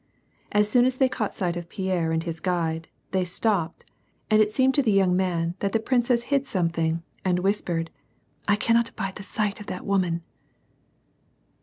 As soon as they caught sight of Pierre and his guide, they stopped, and it seemed to the young man that the prin cess hid something and whispered, —" I cannot abide the sight of that woman."